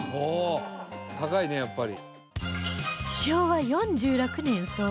「高いねやっぱり」